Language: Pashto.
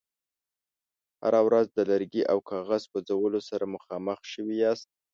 هره ورځ د لرګي او کاغذ سوځولو سره مخامخ شوي یاست.